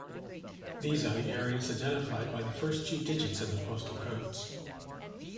These are the areas identified by the first two digits of the postal codes.